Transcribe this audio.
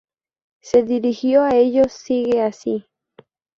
Se dirigió a ellos: "Sigue así.